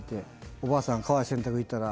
「おばあさんが川へ洗濯行ったら」